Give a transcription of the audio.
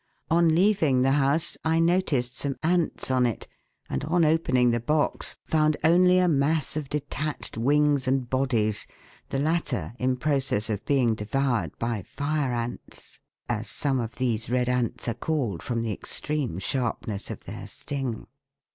On leaving the house, I noticed some ants on it, and on opening the box found only a mass of detached wings and bodies, the latter in process of being devoured by fire ants," as some of these red ants are called from the extreme sharpness of their sting.